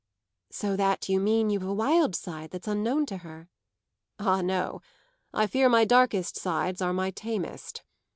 "So that you mean you've a wild side that's unknown to her?" "Ah no, I fear my darkest sides are my tamest.